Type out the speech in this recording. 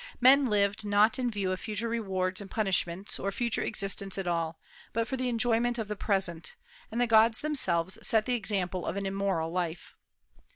Men lived not in view of future rewards and punishments, or future existence at all, but for the enjoyment of the present; and the gods themselves set the example of an immoral life.